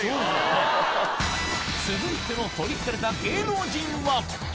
続いての取り憑かれた芸能人は？